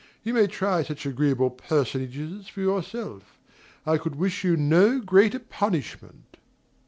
You may try such agreeable personages for yourself: I could wish you no greater punishment.